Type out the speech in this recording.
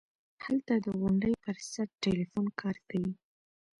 هلته د غونډۍ پر سر ټېلفون کار کيي.